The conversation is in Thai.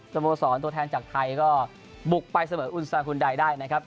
โมสรตัวแทนจากไทยก็บุกไปเสมออุนซาคุณใดได้นะครับ